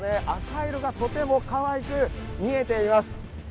赤色がとてもかわいく見えています。